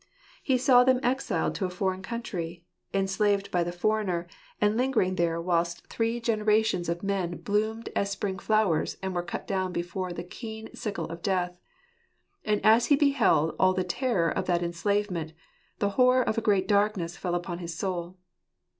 He saw them exiled to a foreign country, enslaved by the foreigner, and lingering there whilst three generations of 182 losqrtfr fast anti geat^r. men bloomed as spring flowers, and were cut down before the keen sickle of death. And as he beheld all the terror of that enslavement, the horror of a great darkness fell upon his soul.